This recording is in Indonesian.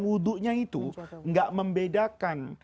hudunya itu enggak membedakan